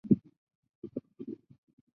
肘髎穴是属于手阳明大肠经的腧穴。